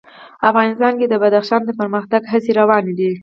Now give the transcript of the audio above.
افغانستان کې د بدخشان د پرمختګ هڅې روانې دي.